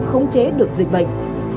không chế được dịch bệnh